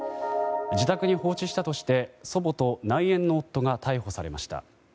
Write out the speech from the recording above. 自宅に放置したとして祖母と内縁の夫が逮捕されました。